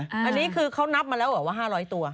อันนี้คือเขานับมาแล้วเหรอว่า๕๐๐ตัว